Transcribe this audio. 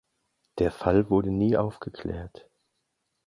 Der Fall wurde nie aufgeklärt.